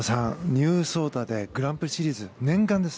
ニュー草太でグランプリシリーズ念願です。